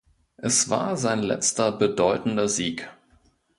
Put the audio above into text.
Es war sein letzter bedeutender Sieg.